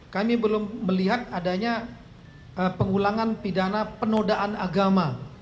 kami belum melihat adanya pengulangan pidana penodaan agama